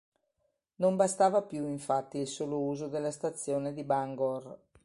Non bastava più infatti il solo uso della stazione di Bangor.